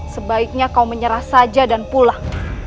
sebaiknya kau menyerah saja dan pulang